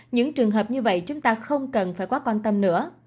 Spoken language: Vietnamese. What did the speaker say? những trường hợp như vậy chúng ta không cần phải quá quan tâm nữa